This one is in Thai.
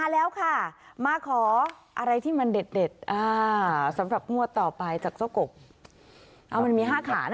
แล้วก็ทยอยบอกกันต่อไป